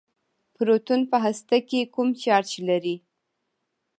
پروټون په هسته کې کوم چارچ لري.